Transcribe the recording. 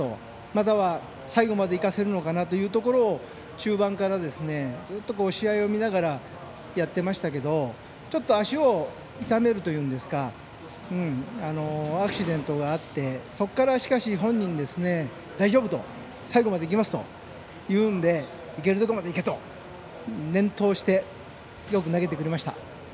または最後まで行かせるのか中盤からずっと試合を見ながらやっていましたけどもちょっと足を痛めるというかアクシデントがあってそこから、しかし本人が大丈夫、最後まで行きますと言うのでいけるところまでいけと粘投してよく投げてくれました。